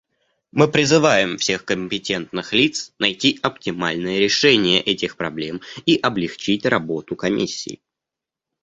Мы призываем всех компетентных лиц найти оптимальное решение этих проблем и облегчить работу Комиссии.